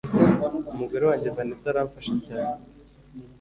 Umugore wanjye Vanessa aramfasha cyane